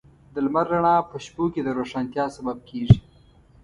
د لمر رڼا په شپو کې د روښانتیا سبب کېږي.